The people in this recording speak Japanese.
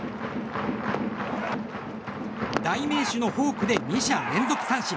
代名詞のフォークで２者連続三振。